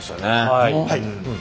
はい。